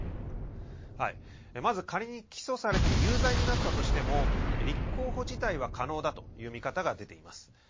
まず仮に起訴されて有罪になったとしても立候補自体は可能だという見方が出ています。